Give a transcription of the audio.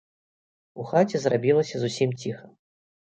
У хаце зрабілася зусім ціха.